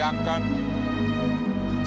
bapak gak bisa ter surprise bapak